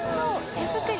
手作り。